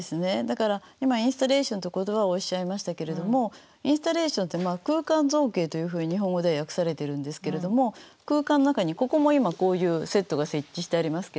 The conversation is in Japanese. だから今インスタレーションって言葉をおっしゃいましたけれどもインスタレーションって空間造形というふうに日本語では訳されてるんですけれども空間の中にここも今こういうセットが設置してありますけれども。